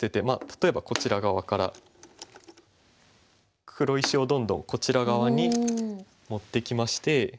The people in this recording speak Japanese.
まあ例えばこちら側から黒石をどんどんこちら側に持ってきまして。